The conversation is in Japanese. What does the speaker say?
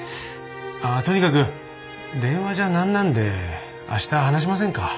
とにかく電話じゃなんなんで明日話しませんか？